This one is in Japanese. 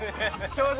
表情！